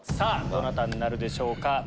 どなたになるでしょうか？